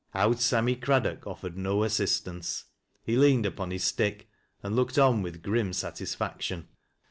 Owd Sammy Craddock offered no assistance ; he leaned upon his stick, and looked on with grim satisfaction.